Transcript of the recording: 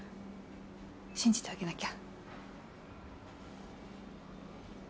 信じてあげなきゃ。